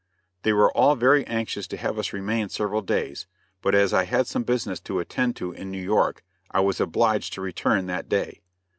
They were all very anxious to have us remain several days, but as I had some business to attend to in New York, I was obliged to return that day.